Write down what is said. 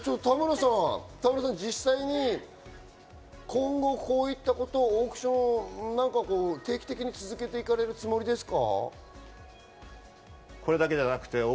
田村さん、実際に今後、こういったことをオークションを定期的に続けていかれるつもりですか？